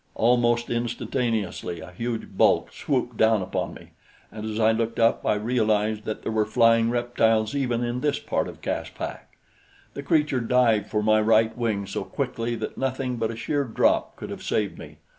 Almost instantaneously a huge bulk swooped down upon me, and as I looked up, I realized that there were flying reptiles even in this part of Caspak. The creature dived for my right wing so quickly that nothing but a sheer drop could have saved me.